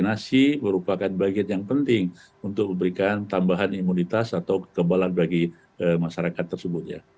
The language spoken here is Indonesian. karena proteksi vaksinasi merupakan bagian yang penting untuk memberikan tambahan imunitas atau kekebalan bagi masyarakat tersebut ya